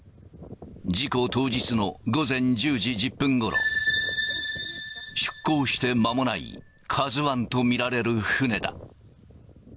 事故当日の午前１０時１０分ごろ、出港して間もないカズワンと見られる船だ。